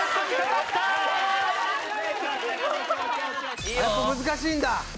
あっやっぱ難しいんだ。